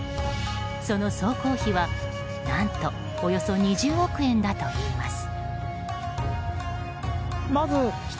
その総工費は何とおよそ２０億円だといいます。